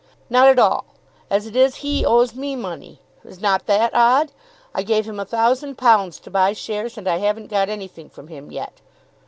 "Not at all. As it is, he owes me money. Is not that odd? I gave him a thousand pounds to buy shares, and I haven't got anything from him yet."